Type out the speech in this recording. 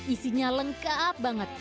isinya lengkap banget